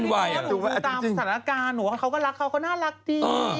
หนูว่าเขาก็รักเขาเขาน่ารักดีเออ